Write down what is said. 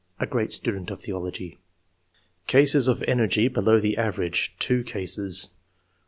A great student of theology." CASES OF ENERGY BELOW THE AVERAGE — TWO CASES.